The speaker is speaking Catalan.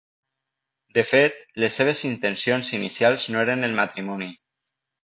De fet, les seves intencions inicials no eren el matrimoni.